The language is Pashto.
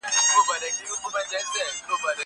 هغه وویل چې منډه ښه ده!